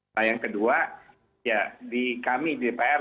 nah yang kedua ya di kami di dpr